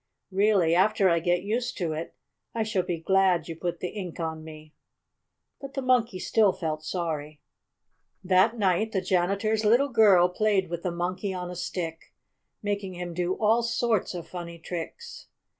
Really, after I get used to it, I shall be glad you put the ink on me." But the Monkey still felt sorry. That night the janitor's little girl played with the Monkey on a Stick, making him do all sorts of funny tricks.